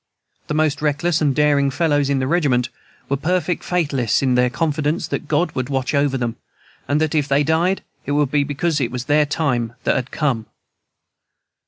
The most reckless and daring fellows in the regiment were perfect fatalists in theur confidence that God would watch over them, and that if they died, it would be because theur time had come.